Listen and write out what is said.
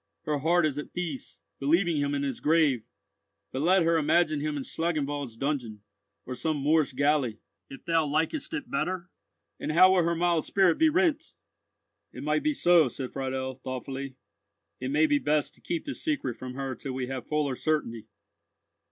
Her heart is at peace, believing him in his grave; but let her imagine him in Schlangenwald's dungeon, or some Moorish galley, if thou likest it better, and how will her mild spirit be rent!" "It might be so," said Friedel, thoughtfully. "It may be best to keep this secret from her till we have fuller certainty."